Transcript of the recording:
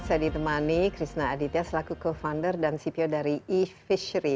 saya ditemani krishna aditya selaku co founder dan cpo dari e fishery